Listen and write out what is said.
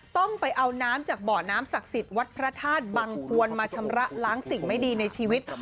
ต้องไปเอาน้ำจากเบาะน้ำศักดิ์สิทธิ์วัดพระธาตุบังควรมาชำระล้างสิ่งไม่ดีในชีวิต